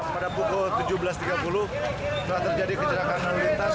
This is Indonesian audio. pada pukul tujuh belas tiga puluh telah terjadi kecelakaan lalu lintas